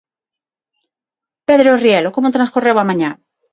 Pedro Rielo, como transcorreu a mañá?